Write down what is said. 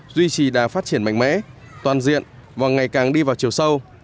duy trì đà phát triển mạnh mẽ toàn diện và ngày càng đi vào chiều sâu